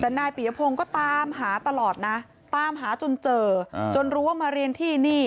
แต่นายปียพงศ์ก็ตามหาตลอดนะตามหาจนเจอจนรู้ว่ามาเรียนที่นี่